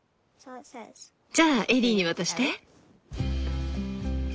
じゃあエリーに渡して。